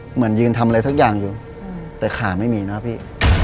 เหมือนยืนทำอะไรสักอย่างอยู่แต่ขาไม่มีนะพี่